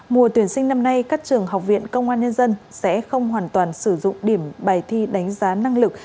mùa tuyển sinh năm nay các trường học viện công an nhân dân sẽ không hoàn toàn sử dụng điểm bài thi đánh giá năng lực